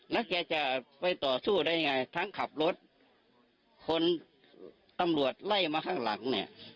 แล้วแกจะไปต่อสู้ได้ยังไงทั้งขับรถคนตำรวจไล่มาข้างหลังเนี่ย